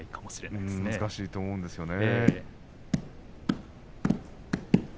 難しいと思うんですよね。